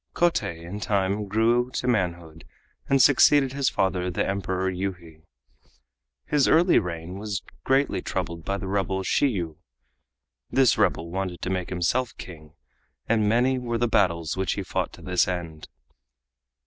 Kotei in time grew to manhood and succeeded his father the Emperor Yuhi. His early reign was greatly troubled by the rebel Shiyu. This rebel wanted to make himself King, and many were the battles which he fought to this end.